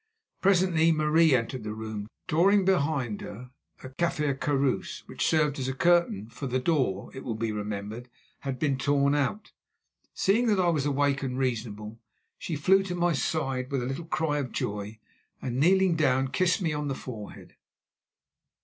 Presently Marie entered the room, drawing to behind her a Kaffir karoos, which served as a curtain, for the door, it will be remembered, had been torn out. Seeing that I was awake and reasonable, she flew to my side with a little cry of joy, and, kneeling down, kissed me on the forehead.